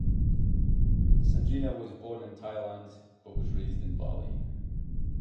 Sandrina was born in Thailand but was raised in Bali.